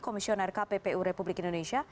komisioner kppu republik indonesia